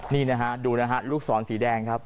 นี่นะฮะดูนะฮะลูกศรสีแดงครับ